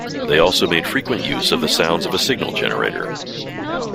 They also made frequent use of the sounds of a signal generator.